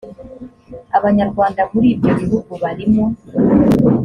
abanyarwanda muri ibyo bihugu barimo